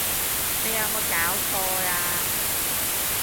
你有無攪錯呀！